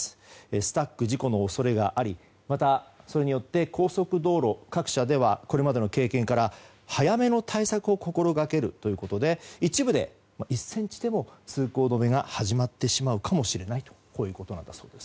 スタック事故の恐れがありまた、それによって高速道路各社ではこれまでの経験から早めの対策を心掛けるということで一部で１ｃｍでも通行止めが始まってしまうかもしれないということだそうです。